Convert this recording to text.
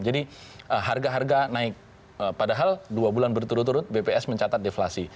jadi harga harga naik padahal dua bulan berturut turut bps mencatat deflasi